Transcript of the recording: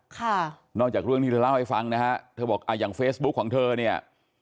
ค่ะนอกจากเรื่องที่เธอเล่าให้ฟังนะฮะเธอบอกอ่าอย่างเฟซบุ๊คของเธอเนี่ย